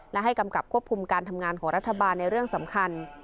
และให้กำกับควบคุมการทำงานของรัฐบาลในเรื่องสำคัญ